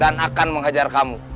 dan akan menghajar kamu